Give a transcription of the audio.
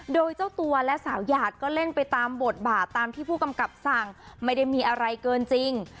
โดยเจ้าตัวและสาวหยาดก็เล่นไปตามบทบาทตามที่ผู้กำกับสั่งไม่ได้มีอะไรเกินจริง